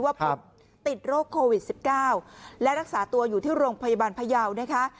พบติดโรคโควิด๑๙และรักษาตัวอยู่ที่โรงพยาบาลพยาวนะคะ